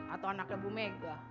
atau anaknya bu mega